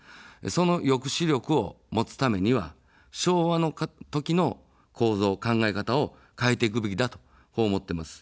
その抑止力を持つためには昭和の時の構造、考え方を変えていくべきだと思っています。